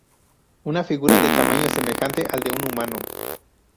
Una figura de tamaño semejante al de un humano.